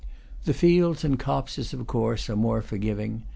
The fields and copses, of course, are more forgiving.